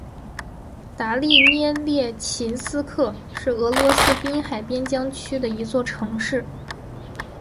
达利涅列琴斯克是俄罗斯滨海边疆区的一座城市。